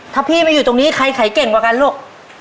ถ้าพี่ไม่อยู่ตรงนี้ใครขายเก่งกว่ากันลูก